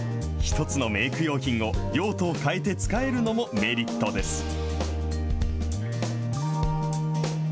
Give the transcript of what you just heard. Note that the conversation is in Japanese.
１つのメーク用品を、用途を変えて使えるのもメリットです。